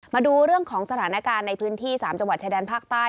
มาดูเรื่องของสถานการณ์ในพื้นที่๓จังหวัดชายแดนภาคใต้